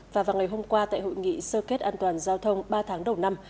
và vào ngày hôm qua tại hội nghị sơ kết an toàn giao thông ba tháng đầu năm